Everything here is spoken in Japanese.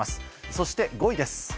そして５位です。